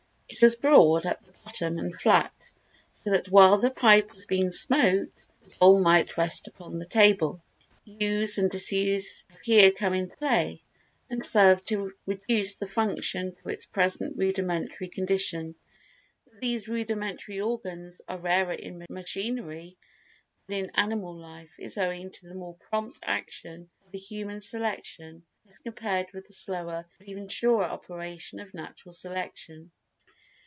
It was broad at the bottom and flat, so that while the pipe was being smoked, the bowl might rest upon the table. Use and disuse have here come into play and served to reduce the function to its present rudimentary condition. That these rudimentary organs are rarer in machinery than in animal life is owing to the more prompt action of the human selection as compared with the slower but even surer operation of natural selection.